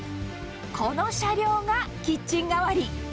この車両が、キッチン代わり。